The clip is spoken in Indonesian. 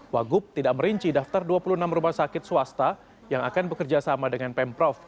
wagup tidak merinci daftar dua puluh enam rumah sakit swasta yang akan bekerja sama dengan pemprov